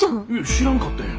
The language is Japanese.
知らんかったんや。